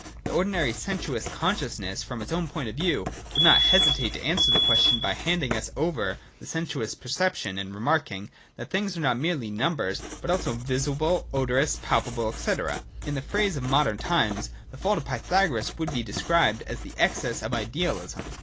The ordinary sensuous conscious ness, from its own point of view, would not hesitate to answer the question by handing us over to sensuous per ception, and remarking, that things are not merely numer able, but also visible, odorous, palpable, &c. In the phrase of modern times, the fault of Pythagoras would be described as an excess of idealism.